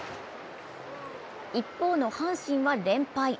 一方の阪神は連敗。